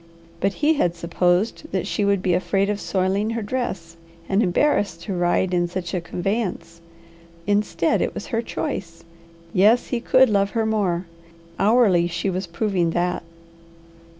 But he had supposed that she would be afraid of soiling her dress, and embarrassed to ride in such a conveyance. Instead it was her choice. Yes, he could love her more. Hourly she was proving that.